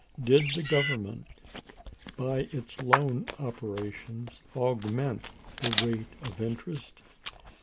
Did the Government, by its loan operations, augment the rate of interest?